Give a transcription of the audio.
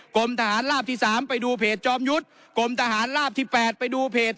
กรมทหารราบที่๓ไปดูเพจจอมยุทธ์กรมทหารราบที่๘ไปดูเพจ